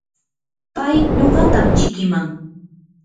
pay nuqatam chikiman.